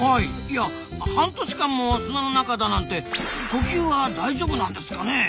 いや半年間も砂の中だなんて呼吸は大丈夫なんですかね？